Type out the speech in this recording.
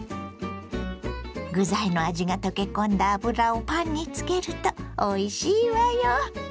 具材の味が溶け込んだ油をパンにつけるとおいしいわよ！